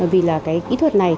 vì cái kỹ thuật này